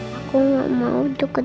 makanya gua gak mau kasih phuh